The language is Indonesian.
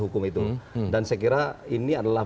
hukum itu dan saya kira ini adalah